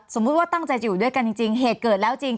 สมมุติว่าตั้งใจจะอยู่ด้วยกันจริงเหตุเกิดแล้วจริง